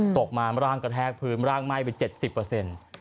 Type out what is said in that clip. ตกมาร่างกระแทกพื้นร่างไหม้ไปเจ็ดสิบเปอร์เซ็นต์